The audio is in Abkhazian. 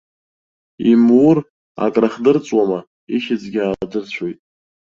Имур, акрахдырҵуама, ихьӡгьы аадырцәоит.